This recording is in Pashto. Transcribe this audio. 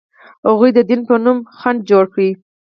هغوی د دین په نوم خنډ جوړ کړ.